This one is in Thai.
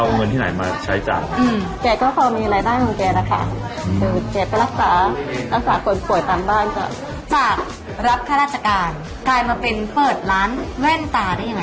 เข้ามาในกรุงเทพฯคืออยากได้มีรายได้เสริม